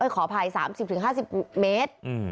ขออภัย๓๐๕๐เซนติเมตร